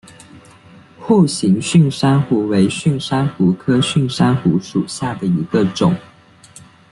笏形蕈珊瑚为蕈珊瑚科蕈珊瑚属下的一个种。